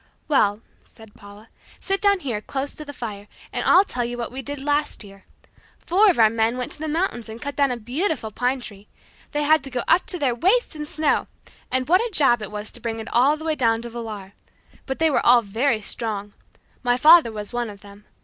"Well," said Paula, "sit down here, close to the fire, and I'll tell you what we did last year. Four of our men went to the mountains and cut down a beautiful pine tree. They had to go up to their waists in snow, and what a job it was to bring it all the way down to Villar. But they were all very strong. My father was one of them.